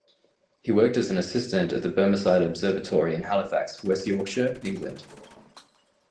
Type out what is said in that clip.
He worked as an assistant at the Bermerside Observatory in Halifax, West Yorkshire, England.